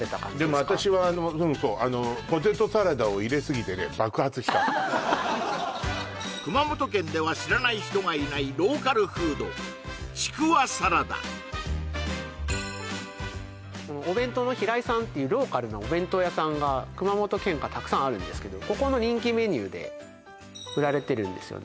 でも私はうんそうあのした熊本県では知らない人がいないローカルフードちくわサラダおべんとうのヒライさんっていうローカルなお弁当屋さんが熊本県下たくさんあるんですけどここの人気メニューで売られてるんですよね